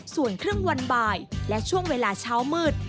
ส่วนครึ่งวันบ่ายและช่วงเวลาเช้ามืด